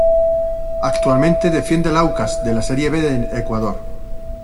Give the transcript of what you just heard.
Actualmente defiende al Aucas, de la Serie B de Ecuador.